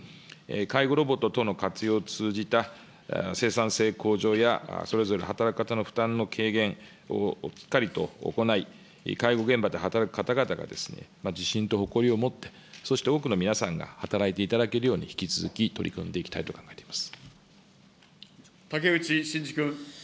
介護ロボット等の活用を通じた生産性向上や、それぞれ働く方の負担の軽減をしっかりと行い、介護現場で働く方々が自信と誇りを持って、そして多くの皆さんが働いていただけるように、引き続き取り組んでいきたいと考えてい竹内真二君。